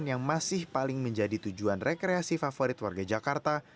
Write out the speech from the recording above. yang menjadi tujuan rekreasi favorit warga jakarta